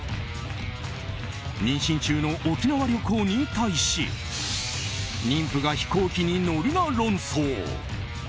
妊娠中の沖縄旅行に対し妊婦が飛行機に乗るな論争。